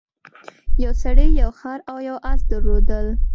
یو سړي یو خر او یو اس درلودل.